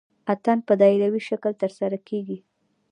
اتن په دایروي شکل ترسره کیږي.